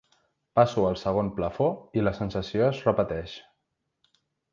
Passo al segon plafó i la sensació es repeteix.